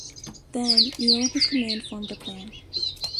Then, Neill and his command formed a plan.